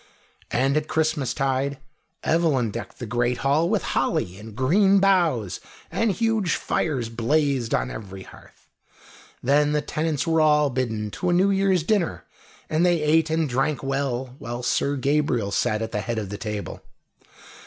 And at Christmastide Evelyn decked the great hall with holly and green boughs, and huge fires blazed on every hearth. Then the tenants were all bidden to a New Year's dinner, and they ate and drank well, while Sir Gabriel sat at the head of the table.